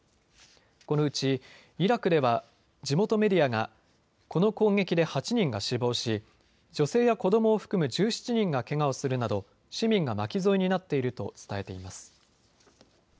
このうちイラクでは地元メディアがこの攻撃で８人が死亡し、女性や子どもを含む１７人がけがをするなど市民が巻き添えになっていると伝えています。